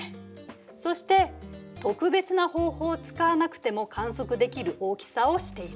そして特別な方法を使わなくても観測できる大きさをしている。